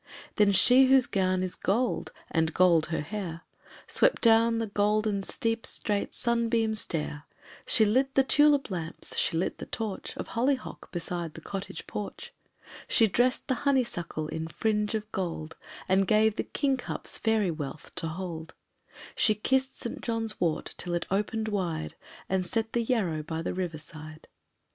Then she whose gown is gold, and gold her hair, Swept down the golden steep straight sunbeam stair, She lit the tulip lamps, she lit the torch Of hollyhock beside the cottage porch. She dressed the honeysuckle in fringe of gold, She gave the king cups fairy wealth to hold, She kissed St. John's wort till it opened wide, She set the yarrow by the river side.